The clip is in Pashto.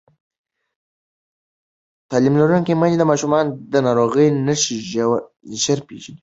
تعلیم لرونکې میندې د ماشومانو د ناروغۍ نښې ژر پېژني.